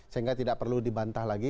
sehingga tidak perlu dibantah lagi